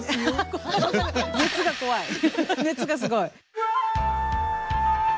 熱がすごい！